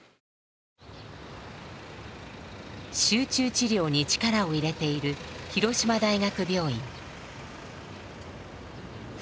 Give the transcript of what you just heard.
集中治療に力を入れている広島大学病院。